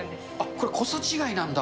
これ、濃さ違いなんだ。